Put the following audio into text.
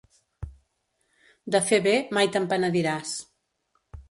De fer bé mai te'n penediràs.